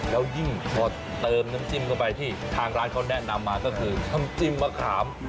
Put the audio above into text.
แล้วยิ่งพอเติมน้ำจิ้มเข้าไปที่ทางร้านเขาแนะนำมาก็คือน้ำจิ้มมะขาม